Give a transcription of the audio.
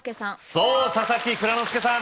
そう佐々木蔵之介さん